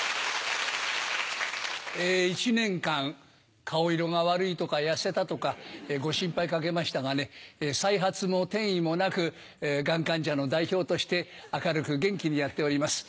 １年間、顔色が悪いとか、痩せたとか、ご心配かけましたがね、再発も転移もなく、がん患者の代表として、明るく元気にやっております。